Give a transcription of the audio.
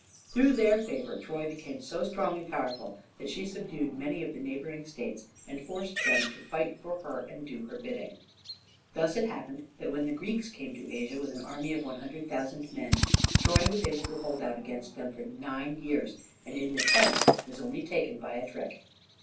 Through their favor Troy became so strong and powerful that she subdued many of the neighboring states and forced them to fight for her and do her bidding. Thus it happened that when the Greeks came to Asia with an army of 100,000 men, Troy was able to hold out against them for nine years, and in the tenth was only taken by a trick.